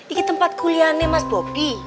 ini tempat kuliahnya mas bobby